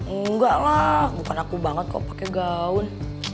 enggak lah bukan aku banget kok pakai gaun